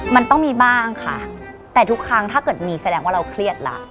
มันต้องมีบ้างค่ะแต่ทุกครั้งถ้าเกิดมีแสดงว่าเราเครียดละ